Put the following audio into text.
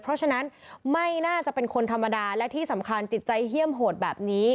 เพราะฉะนั้นไม่น่าจะเป็นคนธรรมดาและที่สำคัญจิตใจเฮี่ยมโหดแบบนี้